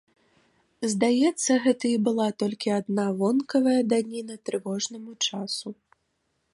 Здаецца, гэта і была толькі адна вонкавая даніна трывожнаму часу.